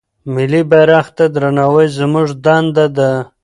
ملي بيرغ ته درناوی زموږ دنده ده.